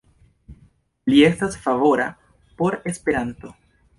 Li estas favora por Esperanto.